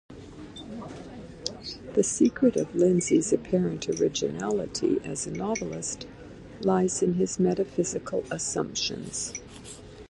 The secret of Lindsay's apparent originality as a novelist lies in his metaphysical assumptions.